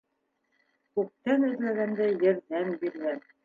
Күктән эҙләгәнде ерҙән биргән.